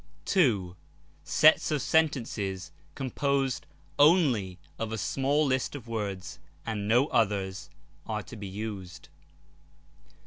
2. Sets of sentences composed only of a small list of words, and no others, are to be used.